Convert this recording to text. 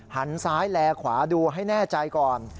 หันซ้ายแลขวาดูให้แน่ใจก่อน